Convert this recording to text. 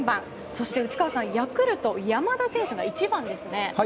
そして内川さんヤクルト山田選手が１番ですね。